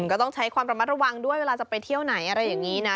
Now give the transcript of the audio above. ก็ต้องใช้ความระมัดระวังด้วยเวลาจะไปเที่ยวไหนอะไรอย่างนี้นะ